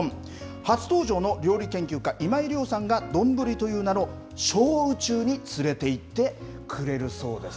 初登場の料理研究家、今井亮さんが、丼という名の小宇宙に連れていってくれるそうです。